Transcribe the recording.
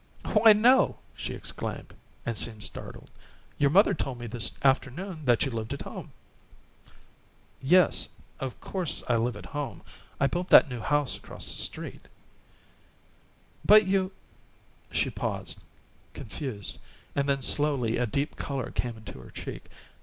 "Why, no!" she exclaimed, and seemed startled. "Your mother told me this afternoon that you lived at home." "Yes, of course I live at home. I built that new house across the street." "But you " she paused, confused, and then slowly a deep color came into her cheek.